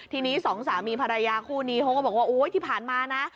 ทีนี้สองสามีภรรยาคู่นี้เขาก็บอกว่าโอ๊ยที่ผ่านมานะ